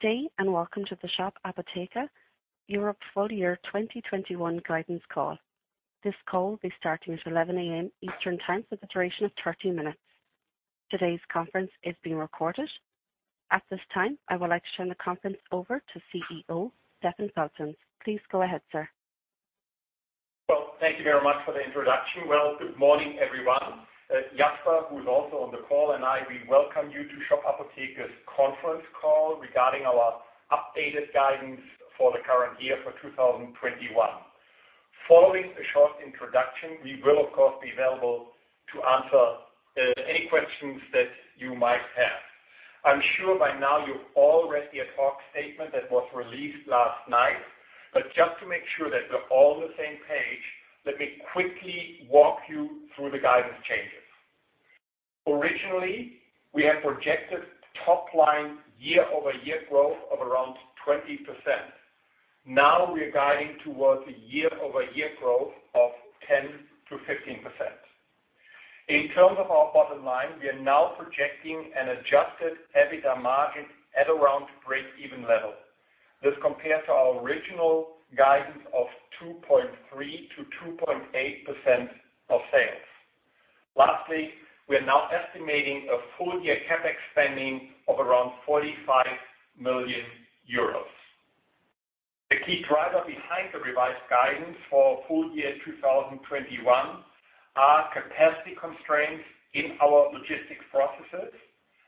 Good day and welcome to the Shop Apotheke Europe full year 2021 guidance call. This call will be starting at 11:00 A.M. Eastern Time for the duration of 30 minutes. Today's conference is being recorded. At this time, I would like to turn the conference over to CEO, Stefan Feltens. Please go ahead, sir. Thank you very much for the introduction. Good morning everyone. Jasper, who is also on the call, and I, we welcome you to Shop Apotheke's conference call regarding our updated guidance for the current year for 2021. Following a short introduction, we will, of course, be available to answer any questions that you might have. I'm sure by now you've all read the ad hoc statement that was released last night, just to make sure that we're all on the same page, let me quickly walk you through the guidance changes. Originally, we had projected top line year-over-year growth of around 20%. Now we are guiding towards a year-over-year growth of 10%-15%. In terms of our bottom line, we are now projecting an adjusted EBITDA margin at around breakeven level. This compares to our original guidance of 2.3%-2.8% of sales. Lastly, we are now estimating a full-year CapEx spending of around 45 million euros. The key driver behind the revised guidance for full year 2021 are capacity constraints in our logistics processes,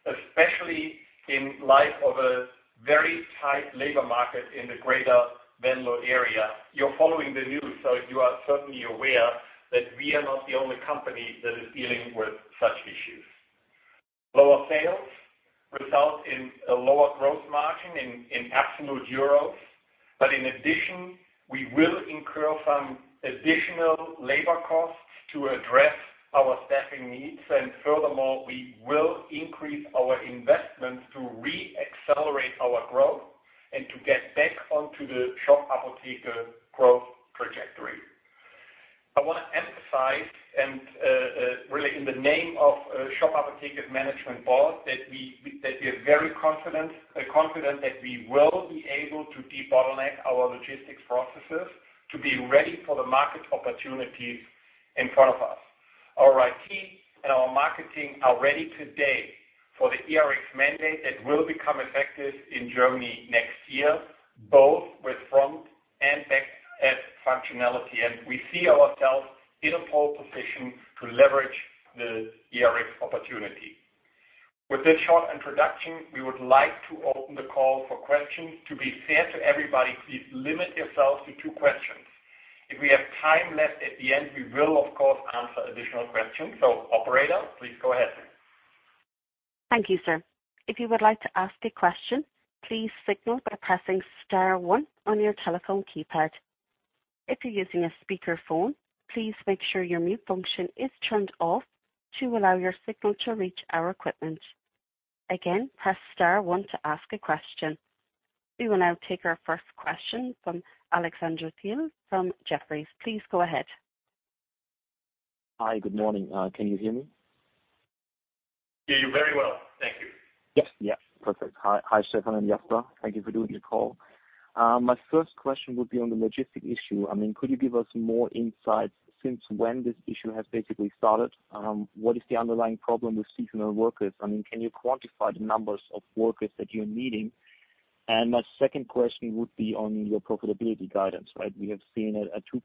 especially in light of a very tight labor market in the greater Venlo area. You are following the news, so you are certainly aware that we are not the only company that is dealing with such issues. Lower sales result in a lower growth margin in absolute euros. In addition, we will incur some additional labor costs to address our staffing needs. Furthermore, we will increase our investments to re-accelerate our growth and to get back onto the Shop Apotheke growth trajectory. I want to emphasize and, really in the name of Shop Apotheke's management board, that we are very confident that we will be able to debottleneck our logistics processes to be ready for the market opportunities in front of us. Our IT and our marketing are ready today for the eRx mandate that will become effective in Germany next year, both with front and backend functionality. We see ourselves in a pole position to leverage the eRx opportunity. With this short introduction, we would like to open the call for questions. To be fair to everybody, please limit yourself to two questions. If we have time left at the end, we will, of course, answer additional questions. Operator, please go ahead. We will now take our first question from Alexander Thiel from Jefferies. Please go ahead. Hi. Good morning. Can you hear me? Yeah, you're very well. Thank you. Yes. Perfect. Hi, Stefan Feltens and Jasper Eenhorst. Thank you for doing the call. My first question would be on the logistic issue. Could you give us more insights since when this issue has basically started? What is the underlying problem with seasonal workers? Can you quantify the numbers of workers that you're needing? My second question would be on your profitability guidance, right? We have seen it at 2%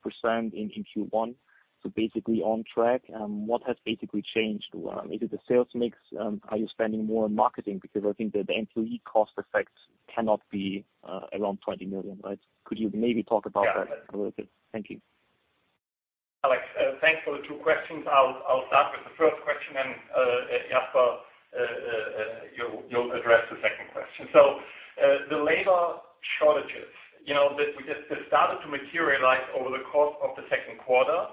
in Q1, so basically on track. What has basically changed? Is it the sales mix? Are you spending more on marketing? I think that the employee cost effects cannot be around 20 million, right? Could you maybe talk about that a little bit? Thank you. Alex, thanks for the two questions. I'll start with the first question, and Jasper, you'll address the second question. The labor shortages. They started to materialize over the course of the second quarter.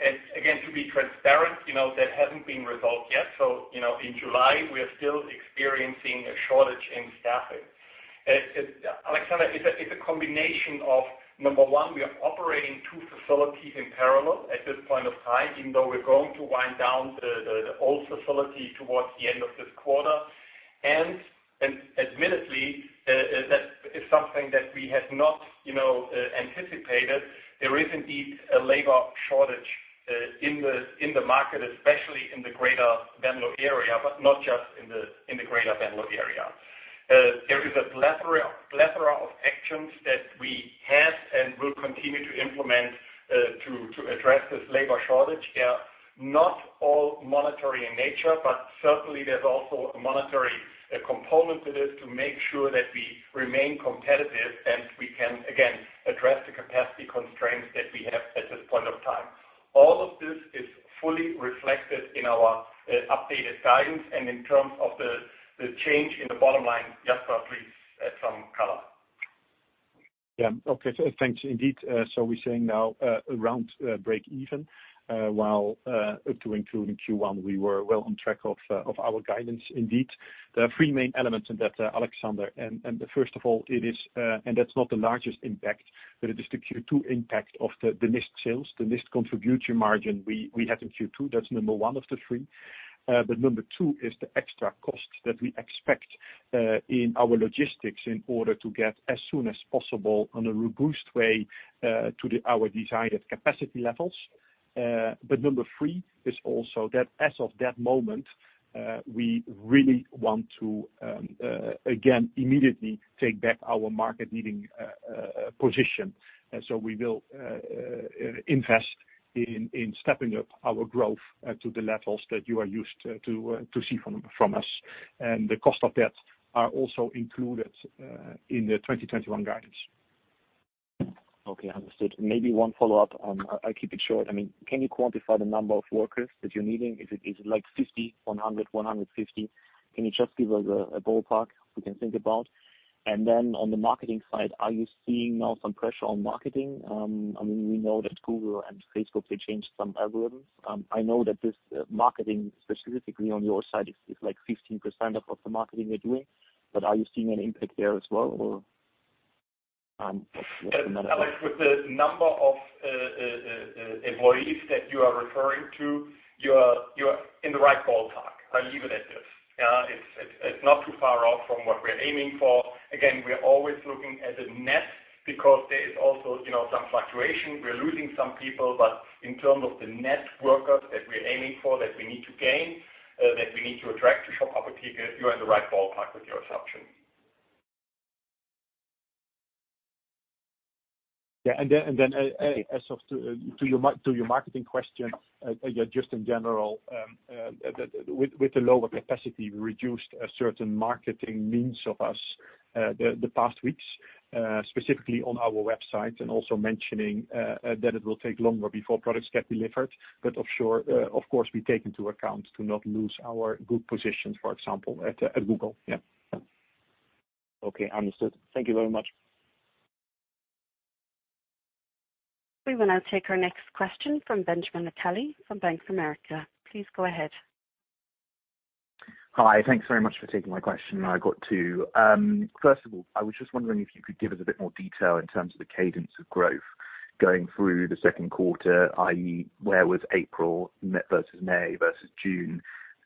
Again, to be transparent, that hasn't been resolved yet. In July, we are still experiencing a shortage in staffing. Alexander, it's a combination of, number one, we are operating two facilities in parallel at this point of time, even though we're going to wind down the old facility towards the end of this quarter. Admittedly, that is something that we had not anticipated. There is indeed a labor shortage in the market, especially in the greater Venlo area, but not just in the greater Venlo area. There is a plethora of actions that we have and will continue to implement to address this labor shortage. They are not all monetary in nature, but certainly there's also a monetary component to this to make sure that we remain competitive and we can, again, address the capacity constraints that we have at this point of time. All of this is fully reflected in our updated guidance and in terms of the change in the bottom line. Jasper, please add some color. Yeah. Okay. Thanks, indeed. We're saying now around breakeven, while up to including Q1, we were well on track of our guidance indeed. There are three main elements in that, Alexander. First of all, it is the Q2 impact of the missed sales, the missed contribution margin we had in Q2. That's number one of the three. Number one is the extra costs that we expect in our logistics in order to get, as soon as possible, on a robust way to our desired capacity levels. Number three is also that as of that moment, we really want to, again, immediately take back our market-leading position. We will invest in stepping up our growth to the levels that you are used to seeing from us. The cost of that are also included in the 2021 guidance. Okay, understood. Maybe one follow-up, and I'll keep it short. Can you quantify the number of workers that you're needing? Is it like 50, 100, 150? Can you just give us a ballpark we can think about? On the marketing side, are you seeing now some pressure on marketing? We know that Google and Facebook, they changed some algorithms. I know that this marketing, specifically on your side, is like 15% of the marketing you're doing. Are you seeing an impact there as well, or what's the matter there? Alex, with the number of employees that you are referring to, you are in the right ballpark. I'll leave it at this. It's not too far off from what we're aiming for. Again, we are always looking at the net because there is also some fluctuation. We're losing some people, but in terms of the net workers that we're aiming for, that we need to gain, that we need to attract to Shop Apotheke, you are in the right ballpark with your assumption. Yeah, as of to your marketing question, just in general, with the lower capacity, we reduced certain marketing means of us the past weeks, specifically on our website, and also mentioning that it will take longer before products get delivered. Of course, we take into account to not lose our group positions, for example, at Google. Yeah. Okay, understood. Thank you very much. We will now take our next question from Benjamin Attali from Bank of America. Please go ahead. Hi. Thanks very much for taking my question. I've got two. First of all, I was just wondering if you could give us a bit more detail in terms of the cadence of growth going through the second quarter, i.e., where was April versus May versus June?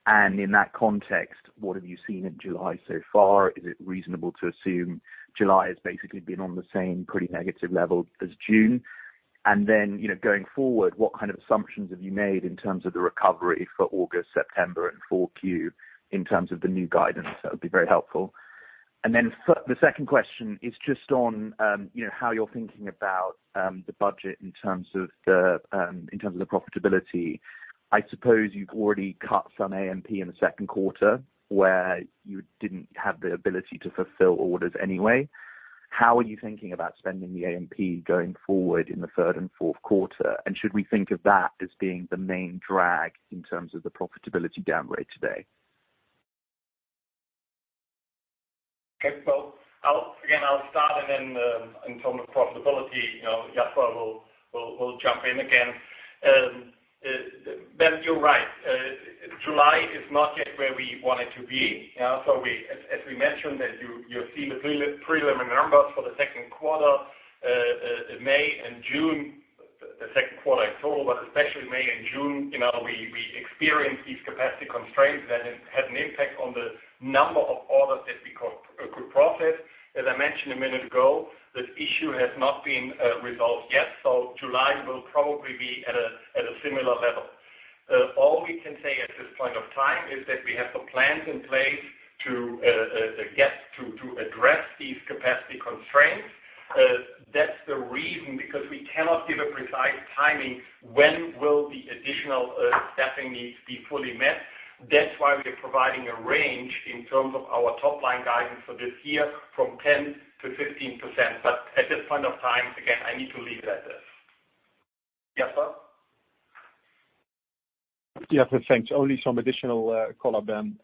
In that context, what have you seen in July so far? Is it reasonable to assume July has basically been on the same pretty negative level as June? Going forward, what kind of assumptions have you made in terms of the recovery for August, September, and 4Q in terms of the new guidance? That would be very helpful. The second question is just on how you're thinking about the budget in terms of the profitability. I suppose you've already cut some A&P in the second quarter, where you didn't have the ability to fulfill orders anyway. How are you thinking about spending the A&P going forward in the third and fourth quarter? Should we think of that as being the main drag in terms of the profitability downgrade today? Okay. I'll start and then in terms of profitability, Jasper will jump in again. Ben, you're right. July is not yet where we wanted to be. We mentioned, you see the preliminary numbers for the 2nd quarter, May and June, the 2nd quarter in total, especially May and June, we experienced these capacity constraints that had an impact on the number of orders that we could process. I mentioned a minute ago, this issue has not been resolved yet, July will probably be at a similar level. All we can say at this point of time is that we have the plans in place to address these capacity constraints. That's the reason, because we cannot give a precise timing, when will the additional staffing needs be fully met. That's why we are providing a range in terms of our top-line guidance for this year from 10%-15%. At this point of time, again, I need to leave it at this. Jasper? Jasper, thanks. Only some additional color, Ben.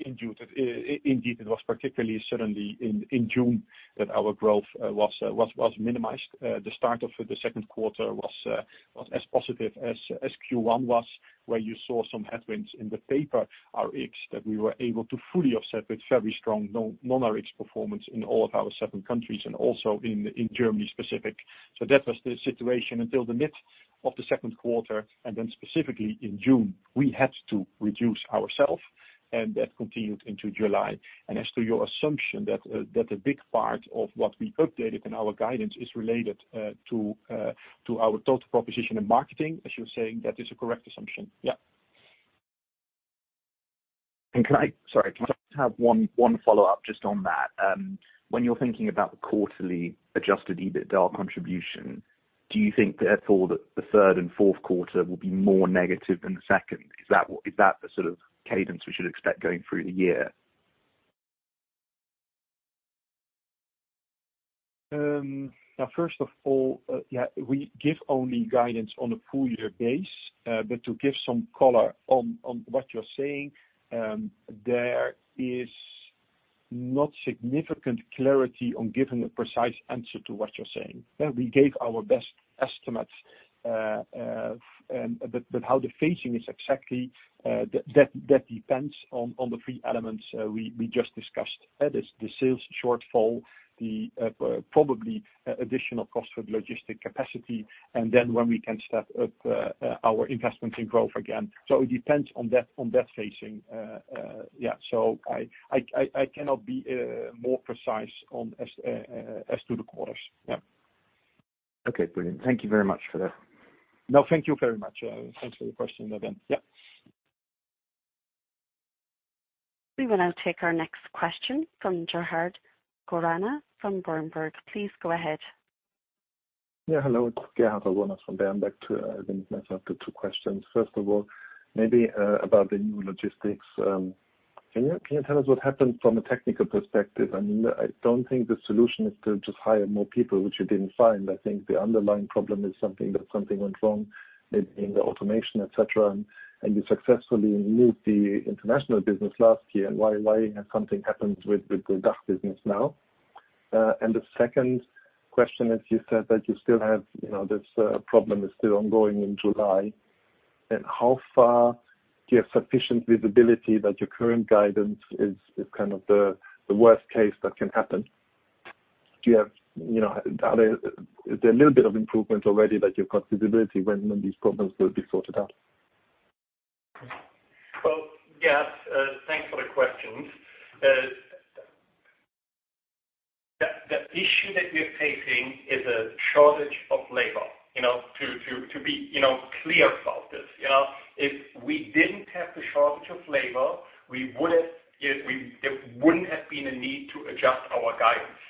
Indeed, it was particularly, certainly in June, that our growth was minimized. The start of the second quarter was as positive as Q1 was, where you saw some headwinds in the paper Rx that we were able to fully offset with very strong non-Rx performance in all of our seven countries and also in Germany specific. That was the situation until the mid of the second quarter, and then specifically in June, we had to reduce our sales, and that continued into July. As to your assumption that a big part of what we updated in our guidance is related to our total proposition and marketing, as you're saying, that is a correct assumption, yeah. Sorry, can I just have one follow-up just on that? When you're thinking about the quarterly adjusted EBITDA contribution, do you think therefore that the third and fourth quarter will be more negative than the second? Is that the sort of cadence we should expect going through the year? First of all, we give only guidance on a full year base. To give some color on what you're saying, there is not significant clarity on giving a precise answer to what you're saying. We gave our best estimates. How the phasing is exactly, that depends on the three elements we just discussed. The sales shortfall, probably additional cost for the logistic capacity, and then when we can step up our investments in growth again. It depends on that phasing. Yeah, I cannot be more precise as to the quarters. Yeah. Okay, brilliant. Thank you very much for that. No, thank you very much. Thanks for the question, Ben. Yep. We will now take our next question from Gerhard Orgonas from Berenberg. Please go ahead. Hello, it's Gerhard Orgonas from Berenberg to Ben. I have the two questions. Maybe about the new logistics. Can you tell us what happened from a technical perspective? I don't think the solution is to just hire more people, which you didn't find. I think the underlying problem is something that went wrong maybe in the automation, etc, and you successfully moved the international business last year. Why has something happened with the DACH business now? The 2nd question is, you said that you still have this problem is still ongoing in July. How far do you have sufficient visibility that your current guidance is kind of the worst case that can happen? Is there a little bit of improvement already that you've got visibility when these problems will be sorted out? Well, yes, thanks for the questions. The issue that we're facing is a shortage of labor, to be clear about this. If we didn't have the shortage of labor, there wouldn't have been a need to adjust our guidance.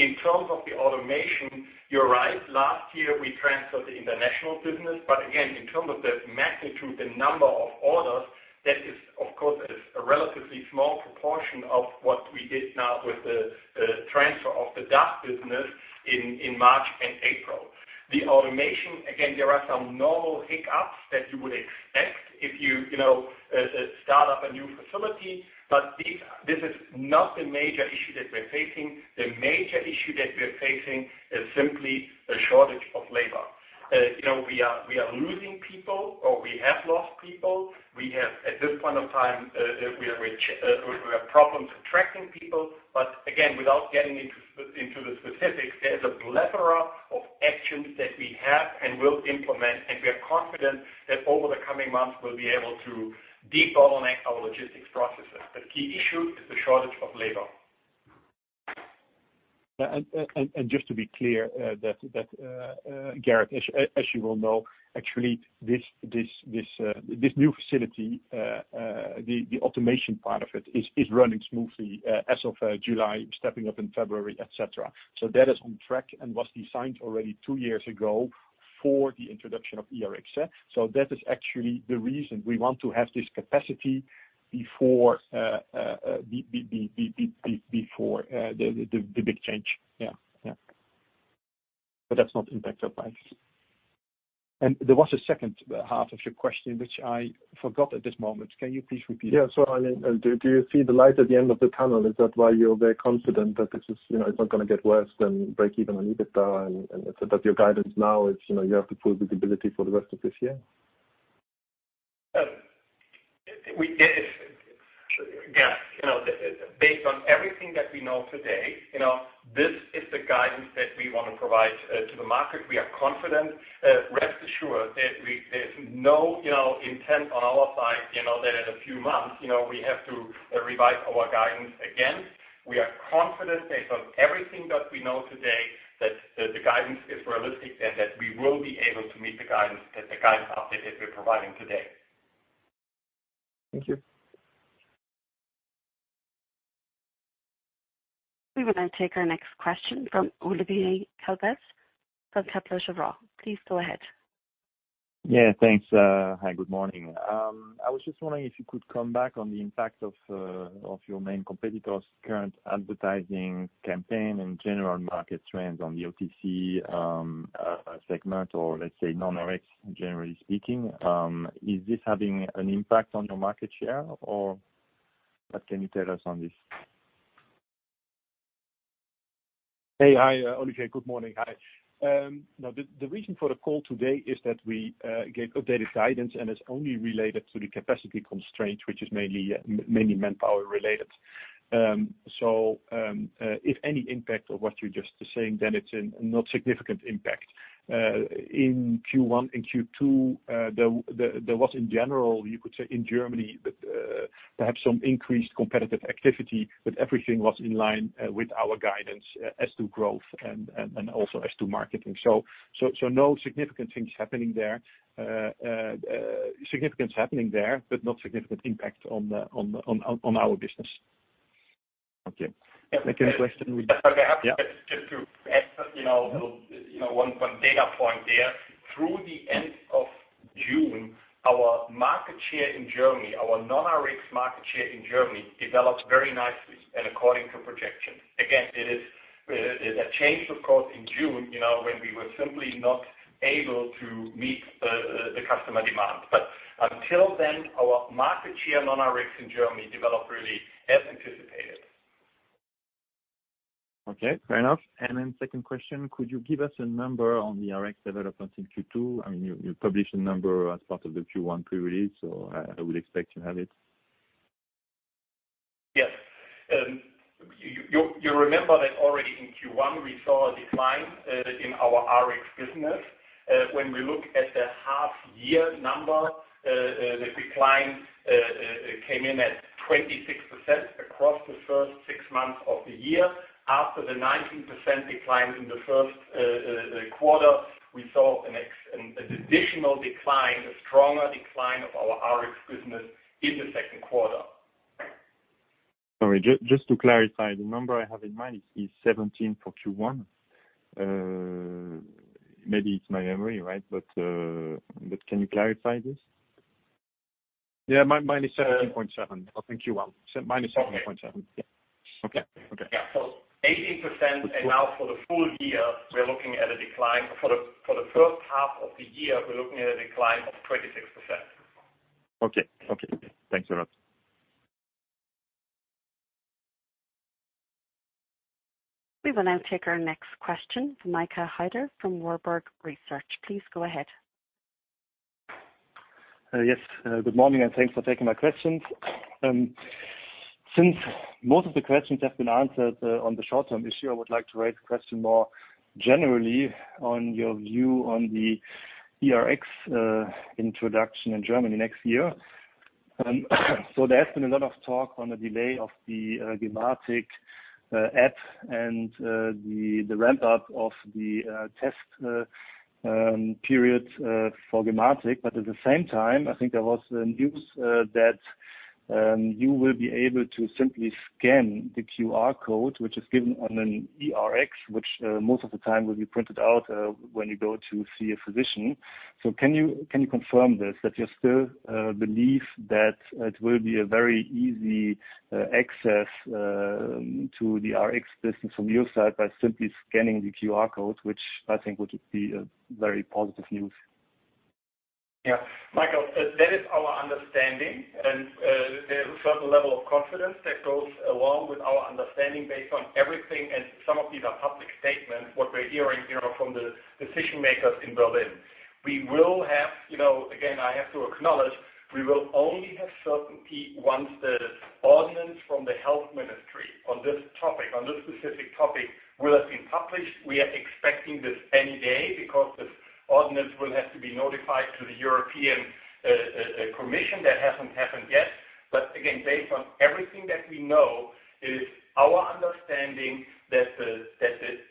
In terms of the automation, you're right. Last year, we transferred the international business. Again, in terms of the magnitude and number of orders, that is, of course, a relatively small proportion of what we did now with the transfer of the DACH business in March and April. The automation, again, there are some normal hiccups that you would expect if you start up a new facility, this is not the major issue that we're facing. The major issue that we're facing is simply a shortage of labor. We are losing people, or we have lost people. We have, at this point of time, we have problems attracting people, but again, without getting into the specifics, there's a plethora of actions that we have and will implement, and we are confident that over the coming months, we'll be able to de-bottleneck our logistics processes. The key issue is the shortage of labor. Just to be clear, that, Gerhard Orgonas, as you well know, actually this new facility, the automation part of it is running smoothly as of July, stepping up in February, etc. That is on track and was designed already 2 years ago for the introduction of eRx. That is actually the reason we want to have this capacity before the big change. Yeah. That's not impacted by it. There was a second half of your question, which I forgot at this moment. Can you please repeat it? Yeah. Do you see the light at the end of the tunnel? Is that why you're very confident that it's not going to get worse than breakeven on EBITDA, and that your guidance now is you have the full visibility for the rest of this year? Gerhard Orgonas, based on everything that we know today, this is the guidance that we want to provide to the market. We are confident. Rest assured that there's no intent on our side, that in a few months, we have to revise our guidance again. We are confident based on everything that we know today, that the guidance is realistic and that we will be able to meet the guidance update that we're providing today. Thank you. We will now take our next question from Olivier Calvez from Kepler Cheuvreux. Please go ahead. Yeah. Thanks. Hi, good morning. I was just wondering if you could come back on the impact of your main competitor's current advertising campaign and general market trends on the OTC segment, or let's say, non-Rx, generally speaking. Is this having an impact on your market share, or what can you tell us on this? Hey. Hi, Olivier. Good morning. Hi. The reason for the call today is that we gave updated guidance, and it's only related to the capacity constraints, which is mainly manpower-related. If any impact of what you're just saying, then it's a not significant impact. In Q1 and Q2, there was in general, you could say in Germany, perhaps some increased competitive activity, but everything was in line with our guidance as to growth and also as to marketing. No significant things happening there, but not significant impact on our business. Okay. Second question- Just to add one data point there. Through the end of June, our market share in Germany, our non-Rx market share in Germany, developed very nicely and according to projections. Again, it changed, of course, in June, when we were simply not able to meet the customer demand. Until then, our market share non-Rx in Germany developed really as anticipated. Okay, fair enough. Second question, could you give us a number on the Rx developments in Q2? You published a number as part of the Q1 pre-release. I would expect you to have it. Yes. You remember that already in Q1, we saw a decline in our Rx business. When we look at the half-year number, the decline came in at 26% across the first six months of the year. After the 19% decline in the first quarter, we saw an additional decline, a stronger decline of our Rx business in the second quarter. Sorry, just to clarify, the number I have in mind is 17 for Q1. Maybe it's my memory, right? Can you clarify this? Yeah, mine is 17.7 for Q1. Mine is 17.7. Okay. Yeah. Okay. Yeah. 18%, and now for the first half of the year, we're looking at a decline of 26%. Okay. Thanks a lot. We will now take our next question from Michael Heider from Warburg Research. Please go ahead. Yes, good morning. Thanks for taking my questions. Since most of the questions have been answered on the short-term issue, I would like to raise the question more generally on your view on the eRx introduction in Germany next year. There has been a lot of talk on the delay of the gematik app and the ramp-up of the test periods for gematik. At the same time, I think there was news that you will be able to simply scan the QR code, which is given on an eRx, which most of the time will be printed out when you go to see a physician. Can you confirm this, that you still believe that it will be a very easy access to the Rx business from your side by simply scanning the QR code, which I think would be a very positive news? Michael, that is our understanding, and there is a certain level of confidence that goes along with our understanding based on everything, and some of these are public statements, what we're hearing from the decision-makers in Berlin. I have to acknowledge, we will only have certainty once the ordinance from the health ministry on this specific topic will have been published. We are expecting this any day because this ordinance will have to be notified to the European Commission. That hasn't happened yet. Based on everything that we know, it is our understanding that the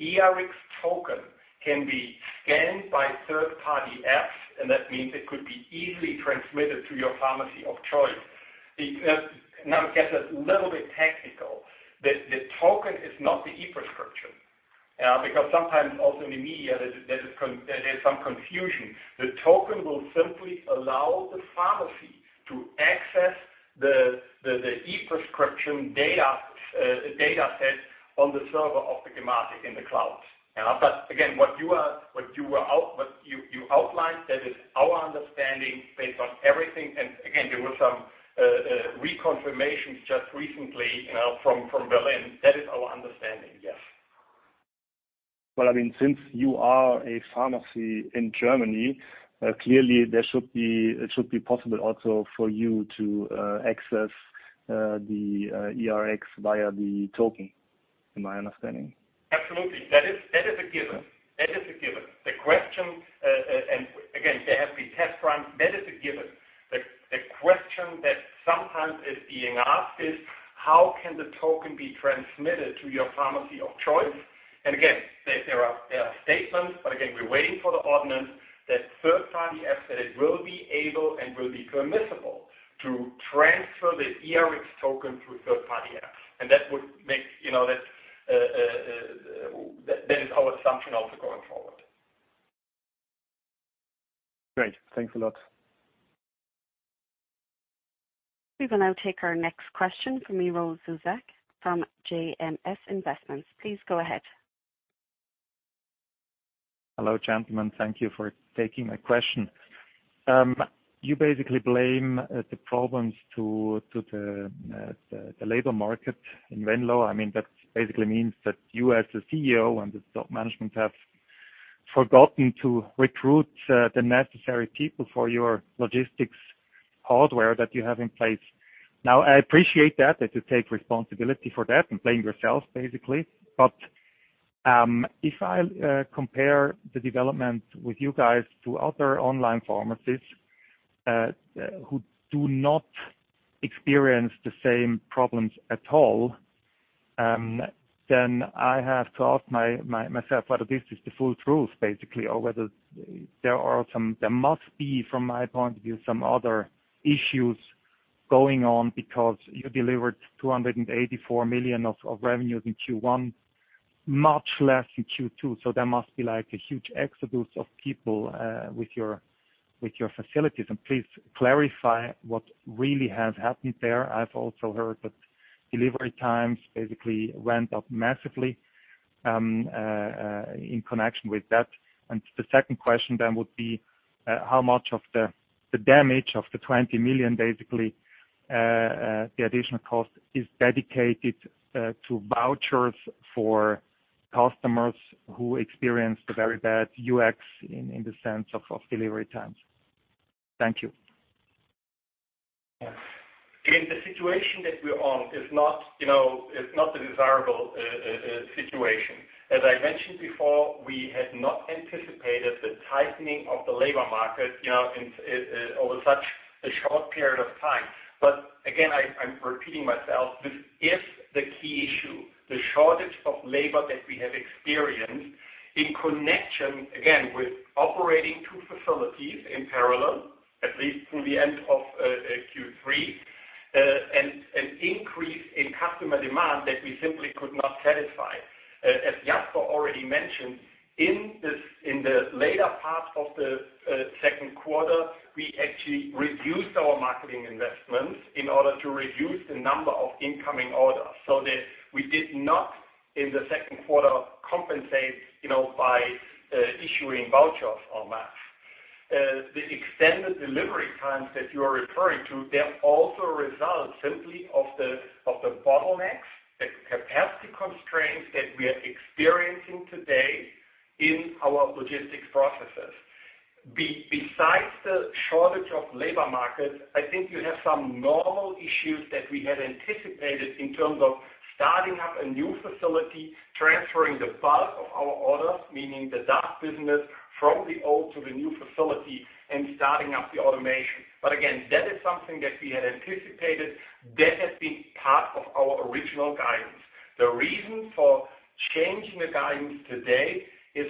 eRx token can be scanned by third-party apps, and that means it could be easily transmitted to your pharmacy of choice. Now it gets a little bit technical. The token is not the e-prescription, because sometimes also in the media, there is some confusion. The token will simply allow the pharmacy to access the e-prescription data set on the server of the gematik in the cloud. Again, what you outlined, that is our understanding based on everything. Again, there were some reconfirmations just recently from Berlin. That is our understanding, yes. Well, I mean, since you are a pharmacy in Germany, clearly it should be possible also for you to access the eRx via the token. Am I understanding? Absolutely. That is a given. There have been test runs. That is a given. The question that sometimes is being asked is how can the token be transmitted to your pharmacy of choice? There are statements, but again, we're waiting for the ordinance that third-party apps that it will be able and will be permissible to transfer the eRx token through third-party apps. That is our assumption also going forward. Great. Thanks a lot. We will now take our next question from Miro Zuzak from JMS Invest AG. Please go ahead. Hello, gentlemen. Thank you for taking my question. You basically blame the problems to the labor market in Venlo. That basically means that you as the CEO and the top management have forgotten to recruit the necessary people for your logistics hardware that you have in place. Now, I appreciate that you take responsibility for that and blame yourselves basically. If I compare the development with you guys to other online pharmacies who do not experience the same problems at all, then I have to ask myself whether this is the full truth, basically, or whether there must be, from my point of view, some other issues going on because you delivered 284 million of revenues in Q1, much less in Q2. There must be like a huge exodus of people with your facilities. Please clarify what really has happened there. I've also heard that delivery times basically went up massively in connection with that. The second question would be, how much of the damage of the 20 million, basically, the additional cost is dedicated to vouchers for customers who experience the very bad UX in the sense of delivery times? Thank you. Yeah. Again, the situation that we're on is not the desirable situation. As I mentioned before, we had not anticipated the tightening of the labor market over such a short period of time. But again, I'm repeating myself. This is the key issue, the shortage of labor that we have experienced in connection, again, with operating two facilities in parallel, at least through the end of Q3, and an increase in customer demand that we simply could not satisfy. As Jasper already mentioned, in the later part of the second quarter, we actually reduced our marketing investments in order to reduce the number of incoming orders, so that we did not, in the second quarter, compensate by issuing vouchers or maps. The extended delivery times that you are referring to, they're also a result simply of the bottlenecks, the capacity constraints that we are experiencing today in our logistics processes. Besides the shortage of labor market, I think you have some normal issues that we had anticipated in terms of starting up a new facility, transferring the bulk of our orders, meaning the DACH business, from the old to the new facility and starting up the automation. Again, that is something that we had anticipated. That had been part of our original guidance. The reason for changing the guidance today is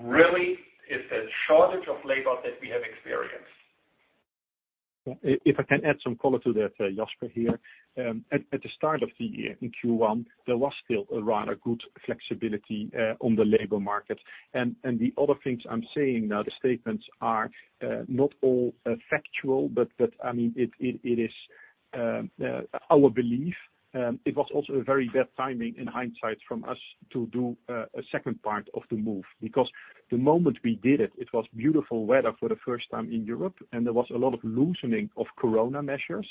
really the shortage of labor that we have experienced. If I can add some color to that, Jasper here. At the start of the year in Q1, there was still a rather good flexibility on the labor market. The other things I'm saying now, the statements are not all factual, but it is our belief. It was also a very bad timing in hindsight from us to do a second part of the move, because the moment we did it was beautiful weather for the first time in Europe, and there was a lot of loosening of COVID measures.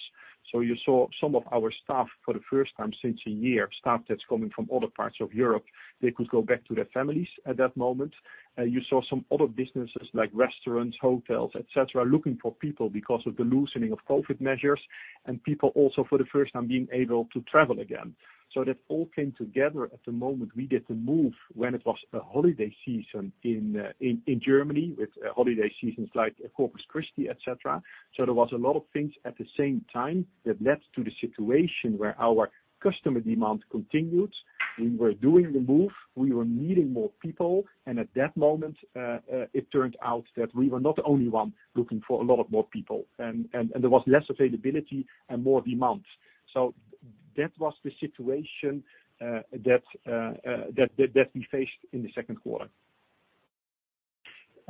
You saw some of our staff for the first time since a year, staff that's coming from other parts of Europe, they could go back to their families at that moment. You saw some other businesses like restaurants, hotels, etc, looking for people because of the loosening of COVID measures and people also for the first time being able to travel again. That all came together at the moment we did the move when it was a holiday season in Germany with holiday seasons like Corpus Christi, etc. There was a lot of things at the same time that led to the situation where our customer demand continued. We were doing the move, we were needing more people, and at that moment, it turned out that we were not the only one looking for a lot more people, and there was less availability and more demand. That was the situation that we faced in the second quarter.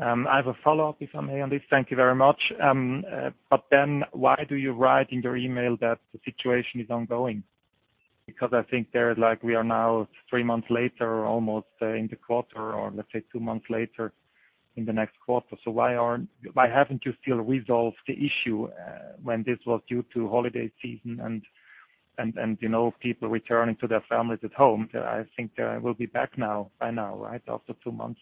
I have a follow-up if I may on this. Thank you very much. Why do you write in your email that the situation is ongoing? I think we are now three months later, almost in the quarter or let's say two months later in the next quarter. Why haven't you still resolved the issue when this was due to holiday season and people returning to their families at home? I think they will be back now by now, right, after two months.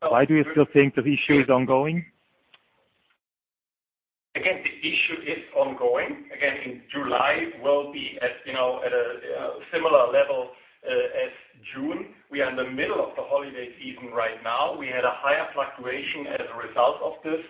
Why do you still think the issue is ongoing? Again, the issue is ongoing. Again, in July, we'll be at a similar level as June. We are in the middle of the holiday season right now. We had a higher fluctuation as a result of this.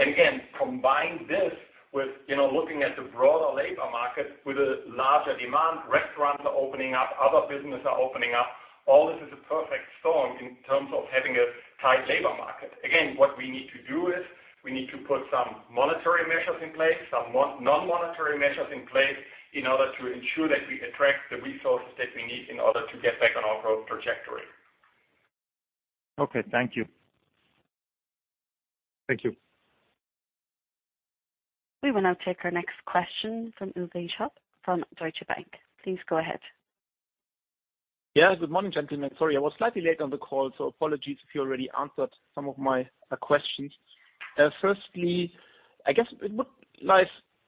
Again, combine this with looking at the broader labor market with a larger demand. Restaurants are opening up, other businesses are opening up. All this is a perfect storm in terms of having a tight labor market. Again, what we need to do is we need to put some monetary measures in place, some non-monetary measures in place in order to ensure that we attract the resources that we need in order to get back on our growth trajectory. Okay, thank you. Thank you. We will now take our next question from Uwe Schopf from Deutsche Bank. Please go ahead. Yeah. Good morning, gentlemen. Sorry, I was slightly late on the call, so apologies if you already answered some of my questions. Firstly, I guess it would be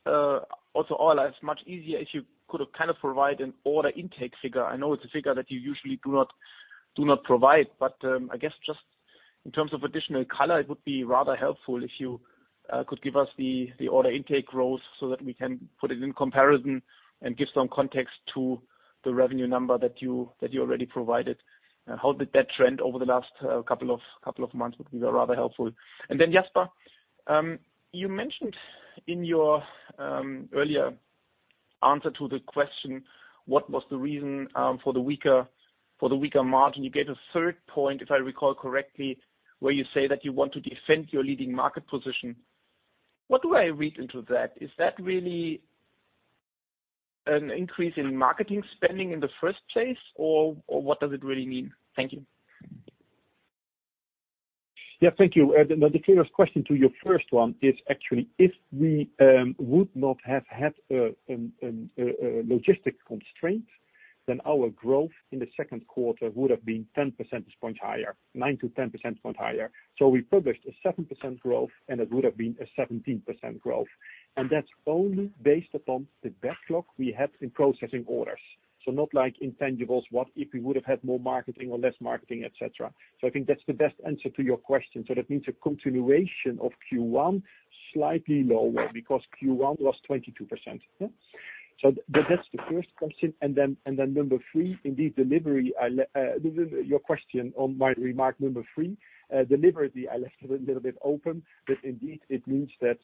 also all as much easier if you could have provided an order intake figure. I know it's a figure that you usually do not provide, but I guess just in terms of additional color, it would be rather helpful if you could give us the order intake growth so that we can put it in comparison and give some context to the revenue number that you already provided. How did that trend over the last couple of months would be rather helpful? Jasper, you mentioned in your earlier answer to the question, what was the reason for the weaker margin? You gave a third point, if I recall correctly, where you say that you want to defend your leading market position. What do I read into that? Is that really an increase in marketing spending in the first place, or what does it really mean? Thank you. Thank you. The clearest question to your first one is actually if we would not have had a logistic constraint, then our growth in the second quarter would have been 10% point higher, 9%-10% point higher. We published a 7% growth, and it would have been a 17% growth. That's only based upon the backlog we had in processing orders. Not like intangibles, what if we would have had more marketing or less marketing, etc. I think that's the best answer to your question. That means a continuation of Q1, slightly lower because Q1 was 22%. That's the first question. Number three, indeed, Your question on my remark number three, deliberately, I left it a little bit open, but indeed it means that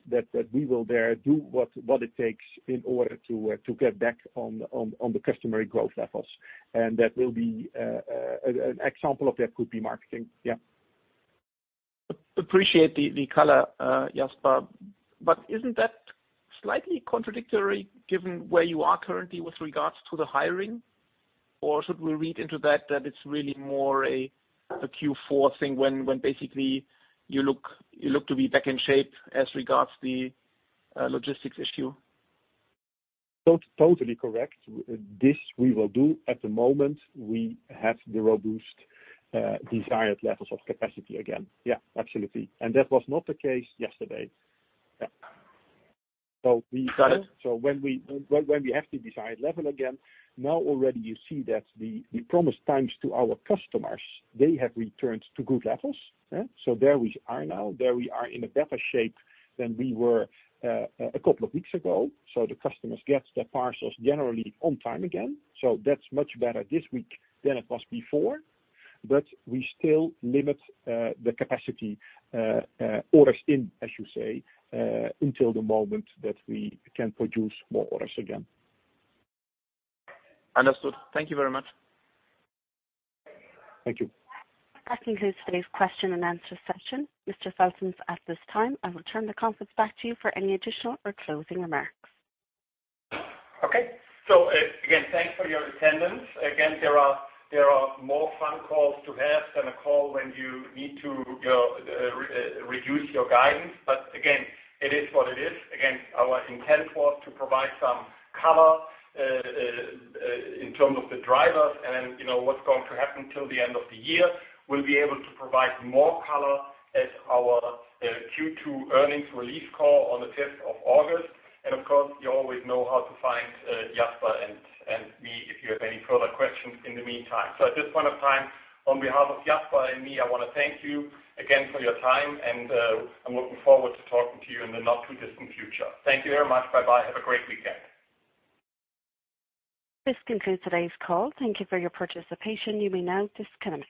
we will there do what it takes in order to get back on the customary growth levels. An example of that could be marketing. Appreciate the color, Jasper. Isn't that slightly contradictory given where you are currently with regards to the hiring? Should we read into that it's really more a Q4 thing when basically you look to be back in shape as regards the logistics issue? Totally correct. This we will do at the moment we have the robust, desired levels of capacity again. Yeah, absolutely. That was not the case yesterday. Got it. When we have the desired level again, now already you see that the promised times to our customers, they have returned to good levels. Yeah. There we are now, there we are in a better shape than we were a couple of weeks ago. The customers get their parcels generally on time again. That's much better this week than it was before. We still limit the capacity, orders in, as you say, until the moment that we can produce more orders again. Understood. Thank you very much. Thank you. That concludes today's question and answer session. Mr. Feltens, at this time, I will turn the conference back to you for any additional or closing remarks. Okay. Again, thanks for your attendance. Again, there are more fun calls to have than a call when you need to reduce your guidance. Again, it is what it is. Again, our intent was to provide some color in terms of the drivers and what's going to happen till the end of the year. We'll be able to provide more color at our Q2 earnings release call on the 5th of August. Of course, you always know how to find Jasper and me if you have any further questions in the meantime. At this point of time, on behalf of Jasper and me, I want to thank you again for your time, and I'm looking forward to talking to you in the not too distant future. Thank you very much. Bye-bye. Have a great weekend. This concludes today's call. Thank you for your participation. You may now disconnect.